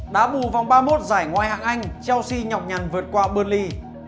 đá bù vòng ba mươi một giải ngoài hạng anh chelsea nhọc nhằn vượt qua burnley